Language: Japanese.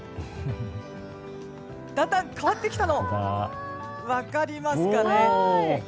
だんだん変わってきたの分かりますかね？